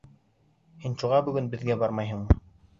Һин шуға бөгөн беҙгә бармайһыңмы?